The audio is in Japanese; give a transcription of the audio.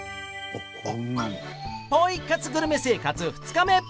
ポイ活グルメ生活２日目